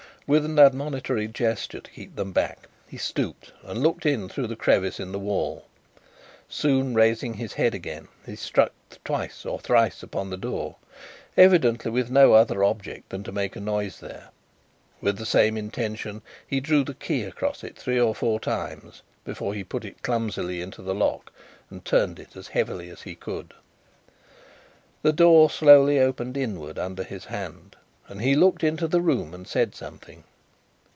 With an admonitory gesture to keep them back, he stooped, and looked in through the crevice in the wall. Soon raising his head again, he struck twice or thrice upon the door evidently with no other object than to make a noise there. With the same intention, he drew the key across it, three or four times, before he put it clumsily into the lock, and turned it as heavily as he could. The door slowly opened inward under his hand, and he looked into the room and said something.